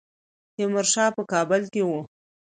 تیمورشاه په کابل کې وو.